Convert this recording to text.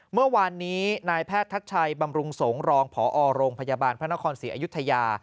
เมื่อวานนี้นายแพทย์ทัชชัยบำรุงสงฆ์รองพอโรงพยาบาลพระนครศรีอยุธยา